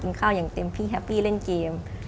ข้าวอย่างเต็มที่แฮปปี้เล่นเกม